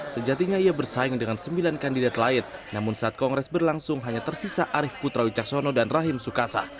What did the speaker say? sejatinya ia bersaing dengan sembilan kandidat lain namun saat kongres berlangsung hanya tersisa arief putra wicaksono dan rahim sukasa